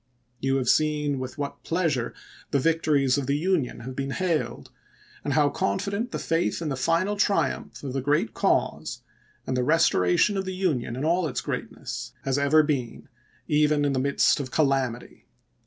You have seen with what pleasure the victories of the Union have been hailed, and how confident the faith in the final triumph of the great cause and the restoration of the Union in all its greatness has ever been, even in the midst of calamity."